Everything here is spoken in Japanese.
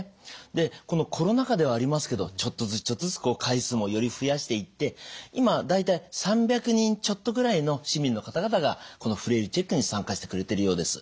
でこのコロナ禍ではありますけどちょっとずつちょっとずつ回数もより増やしていって今大体３００人ちょっとぐらいの市民の方々がこのフレイルチェックに参加してくれてるようです。